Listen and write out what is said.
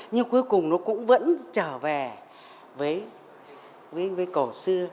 nhưng cuối cùng nó cũng vẫn trở về với cổ xưa